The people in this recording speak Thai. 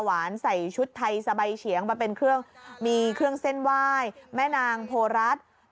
พิธีจัดขึ้นเมื่อวานค่ะ